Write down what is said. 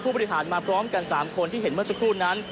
บริหารมาพร้อมกัน๓คนที่เห็นเมื่อสักครู่นั้น